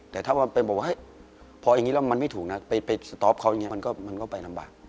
แต่ถ้าเป็นแบบว่าพอแบบนี้มันไม่ถูกนะใส่กับเขาก็ไปลำบาก